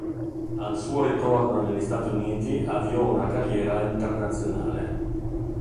Al suo ritorno negli Stati Uniti avviò una carriera internazionale.